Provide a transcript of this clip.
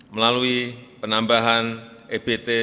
melalui penambahan ebt dan perusahaan ekonomi